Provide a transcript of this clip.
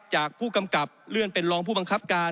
จากผู้กำกับเลื่อนเป็นรองผู้บังคับการ